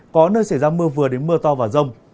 có nơi xảy ra mưa vừa đến mưa to và rông